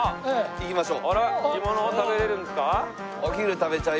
行きましょう。